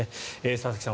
佐々木さん